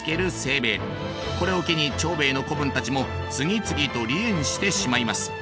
これを機に長兵衛の子分たちも次々と離縁してしまいます。